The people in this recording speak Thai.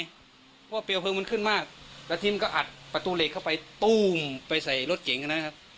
เพราะว่าเปลวเพลิงมันขึ้นมากแล้วทีมก็อัดประตูเหล็กเข้าไปตู้มไปใส่รถเก่งนะครับ